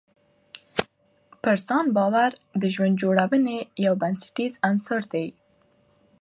پر ځان باور د ژوند جوړونې یو بنسټیز عنصر دی.